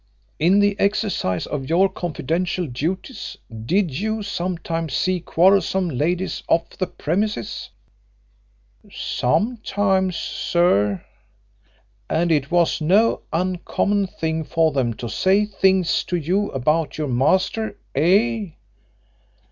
"In the exercise of your confidential duties did you sometimes see quarrelsome ladies off the premises?" "Sometimes, sir." "And it was no uncommon thing for them to say things to you about your master, eh?"